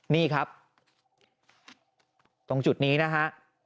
นี่ครับตรงจุดนี้นะฮะ